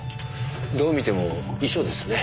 どう見ても遺書ですね。